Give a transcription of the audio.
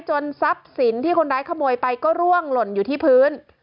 ทรัพย์สินที่คนร้ายขโมยไปก็ร่วงหล่นอยู่ที่พื้น